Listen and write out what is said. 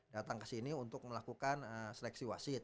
datang ke sini untuk melakukan seleksi wasit